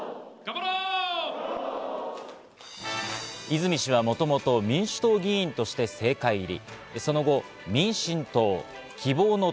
泉氏はもともと民主党議員として政界入り。